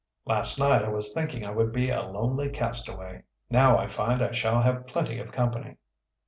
"Last night I was thinking I would be a lonely castaway; now I find I shall have plenty of company."